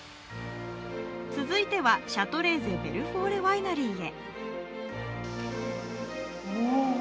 続いては、シャトレーゼベルフォーレワイナリーへ。